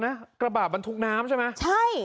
แต่กระบาดมันถุกน้ำใช่มั้ย